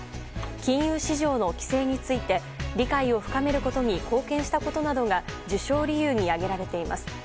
金融市場の規制について理解を深めることに貢献したことなどが受賞理由に挙げられています。